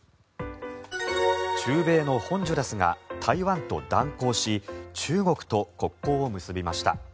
中米のホンジュラスが台湾と断交し中国と国交を結びました。